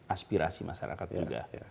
aspirasi masyarakat juga